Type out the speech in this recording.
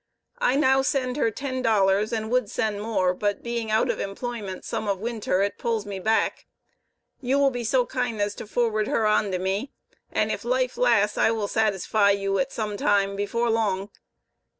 i now send her 10 Dollers and would send more but being out of employment some of winter it pulls me back, you will be so kine as to forward her on to me, and if life las I will satisfie you at some time, before long.